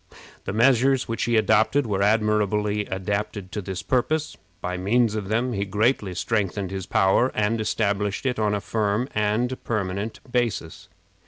The measures which he adopted were admirably adapted to this purpose. By means of them he greatly strengthened his power, and established it on a firm and permanent basis.